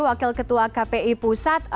wakil ketua kpi pusat